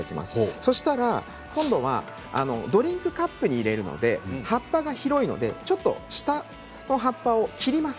そうしたらドリンクカップに入れるので葉っぱが広いので下の葉っぱを切ります。